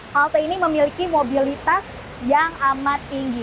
halte ini memiliki mobilitas yang amat tinggi